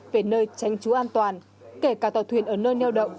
về nơi tránh chú an toàn kể cả tàu thuyền ở nơi neo động